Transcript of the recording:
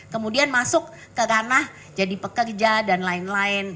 kemudian masuk ke ranah jadi pekerja dan lain lain